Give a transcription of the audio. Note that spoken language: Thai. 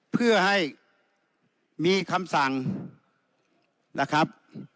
เพื่อให้มีคำสั่งนะครับ